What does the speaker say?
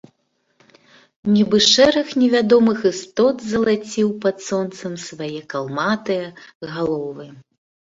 Нібы шэраг невядомых істот залаціў пад сонцам свае калматыя галовы.